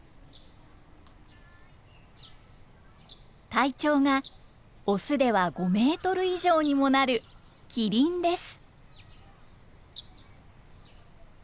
体長がオスでは５メートル以上にもなるキリンです。